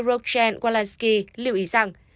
rogan walensky lưu ý rằng